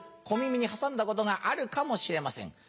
小耳に挟んだことがあるかもしれません。